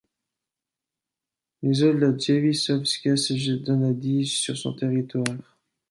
Les eaux de la Jevišovka se jettent dans la Dyje sur son territoire.